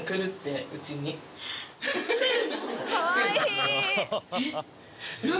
かわいい！